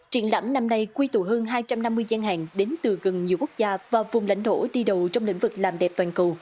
triển lãm năm nay quy tụ hơn hai trăm năm mươi gian hàng đến từ gần nhiều quốc gia và vùng lãnh đổ đi đầu trong lĩnh vực làm đẹp toàn cầu